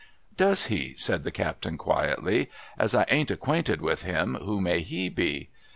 'Does he?' said the captain quietly. 'As I ain't acquainted with him, who may he be